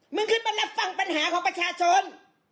มึงขึ้นมารับฟังปัญหาของประชาชน